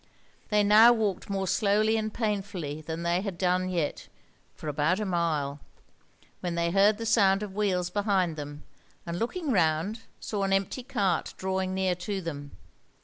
They now walked more slowly and painfully than they had done yet for about a mile, when they heard the sound of wheels behind them, and looking round saw an empty cart drawing near to them.